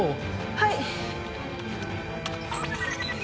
はい！